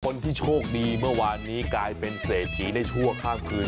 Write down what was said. คนที่โชคดีเมื่อวานนี้กลายเป็นเศรษฐีได้ชั่วข้ามคืน